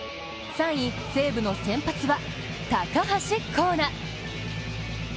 ３位、西武の先発は高橋光成。